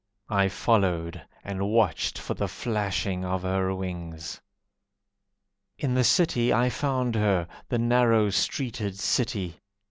I followed, And watched for the flashing of her wings. In the city I found her, The narrow streeted city.